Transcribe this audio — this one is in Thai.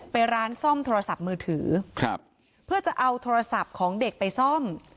ไปร้านซ่อมโทรศัพท์มือถือครับเพื่อจะเอาโทรศัพท์ของเด็กไปซ่อม